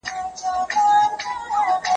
د استاد پوهه د شاګرد د پوهي څخه پراخه وي.